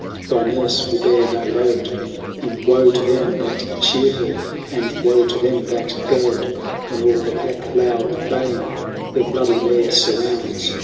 Thy nurse will bear no load ; I "Qs^^^^vt And woe to them that shear her, ^"^^'^'^M^ t. J And woe to them that goad !^ When all the pack, loud baying, ^^ Her bloody lair surrounds.